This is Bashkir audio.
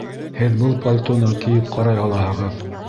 Һеҙ был пальтоны кейеп ҡарай алаһығыҙ